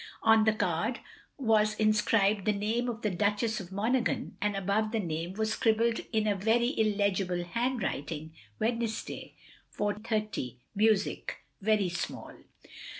On the card was inscribed the name of the Duchess of Monaghan, and above the name was scribbled in a very illegible handwriting, Wednesday, 4.30. Music. Very small.